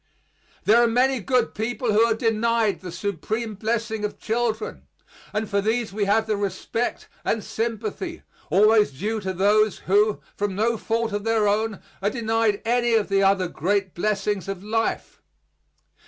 There are many good people who are denied the supreme blessing of children, and for these we have the respect and sympathy always due to those who, from no fault of their own, are denied any of the other great blessings of life.